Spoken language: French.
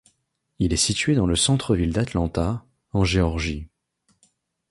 Il est situé dans le centre-ville d'Atlanta, en Géorgie.